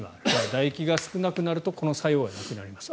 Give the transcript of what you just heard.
だ液が少なくなるとこの作用はなくなります。